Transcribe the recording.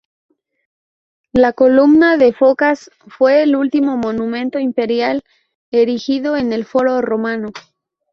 La Columna de Focas fue el último monumento imperial erigido en el Foro Romano.